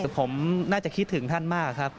ผมน่าจะคิดถึงท่านมากครับ